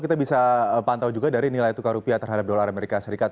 kita bisa pantau juga dari nilai tukar rupiah terhadap dolar amerika serikat